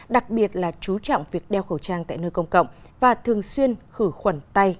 đặc biệt là chú trọng việc đeo khẩu trang tại nơi công cộng và thường xuyên khử khuẩn tay